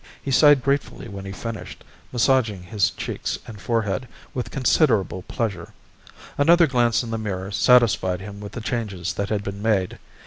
He sighed gratefully when he finished, massaging his cheeks and forehead with considerable pleasure. Another glance in the mirror satisfied him with the changes that had been made.